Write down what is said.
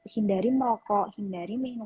hindari merokok hindari minum